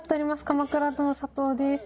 「鎌倉殿」佐藤です。